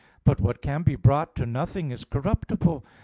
But what can be brought to nothing is corruptible.